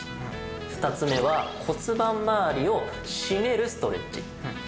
２つ目は骨盤まわりをしめるストレッチ。